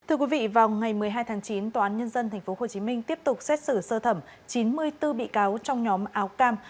thưa quý vị vào ngày một mươi hai tháng chín tòa án nhân dân tp hcm tiếp tục xét xử sơ thẩm chín mươi bốn bị cáo trong nhóm áo cam